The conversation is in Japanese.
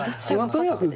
とにかく。